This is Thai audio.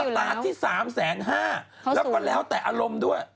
ด้วยกับคนที่๓๕แสนแล้วก็เหลือแต่อารมณ์ด้วย